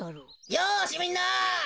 よしみんな！